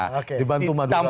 nah dibantu madura juga